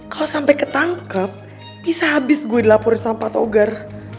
kalau sampai ketangkep bisa habis gue dilaporin sama pak togar